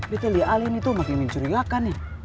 beda liat ali ini tuh makin mencurigakannya